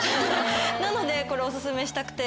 なのでこれオススメしたくて。